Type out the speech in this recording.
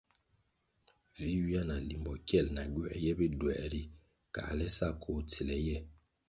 Vi ywia na limbo kyel, na gywē ye biduē ri, kale sa koh tsile ye.